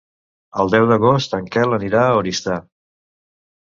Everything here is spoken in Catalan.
El deu d'agost en Quel anirà a Oristà.